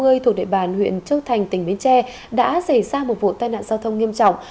tổ sáu mươi thuộc địa bàn huyện châu thành tỉnh bến tre đã xảy ra một vụ tai nạn giao thông nghiêm trọng